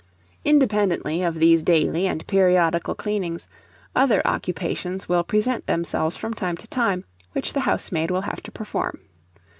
Independently of these daily and periodical cleanings, other occupations will present themselves from time to time, which the housemaid will have to perform.